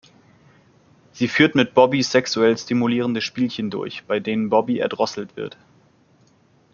Sie führt mit Bobbi sexuell stimulierende Spielchen durch, bei denen Bobbi erdrosselt wird.